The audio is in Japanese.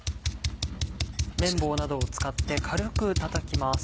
麺棒などを使って軽くたたきます。